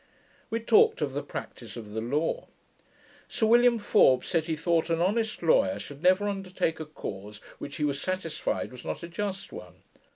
We talked of the practice of the law. William Forbes said, he thought an honest lawyer should never undertake a cause which he was satisfied was not a just one.